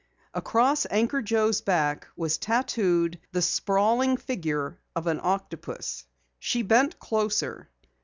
Across Anchor Joe's back was tattooed the sprawling figure of an octopus. She bent closer.